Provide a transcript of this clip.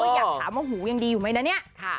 อยากถามว่าหูยังดีอยู่ไหมนะเนี่ย